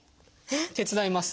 手伝います。